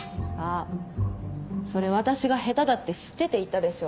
あそれ私が下手だって知ってて言ったでしょ？